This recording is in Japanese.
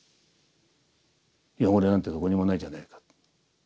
汚れなんてどこにもないじゃないか。